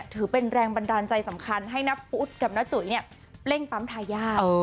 ถือเป็นแรงบันดาลใจสำคัญให้น้าพุทธกับน้าจุ๋ยเร่งปั๊มทายาท